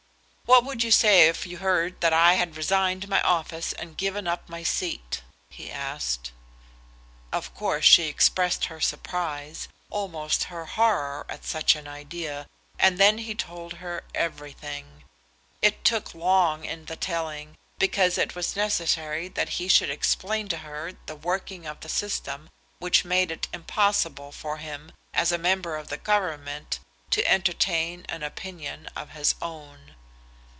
"What would you say if you heard that I had resigned my office and given up my seat?" he asked. Of course she expressed her surprise, almost her horror, at such an idea, and then he told her everything. It took long in the telling, because it was necessary that he should explain to her the working of the system which made it impossible for him, as a member of the Government, to entertain an opinion of his own.